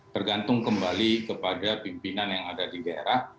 tergantung kembali kepada pimpinan yang ada di daerah